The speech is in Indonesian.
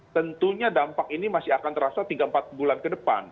tentunya dampak ini masih akan terasa tiga empat bulan ke depan